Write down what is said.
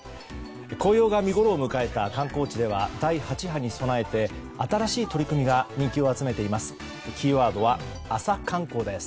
紅葉が見ごろを迎えた観光地では第８波に備えて新しい取り組みが人気を集めています。